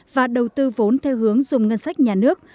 và đầu tư vốn theo hướng dùng ngân sách nhà nước